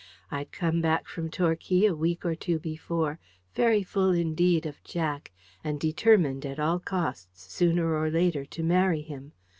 I'd come back from Torquay a week or two before, very full indeed of Jack, and determined at all costs, sooner or later, to marry him.